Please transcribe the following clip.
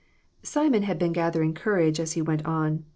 Simon had been gathering courage as he went on.